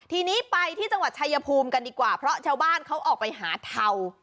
ทีนี้ไปที่จังหวัดชายภูมิกันดีกว่าเพราะชาวบ้านเขาออกไปหาเทา